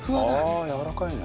ああやわらかいね。